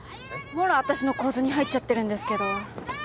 もろあたしの構図に入っちゃってるんですけど。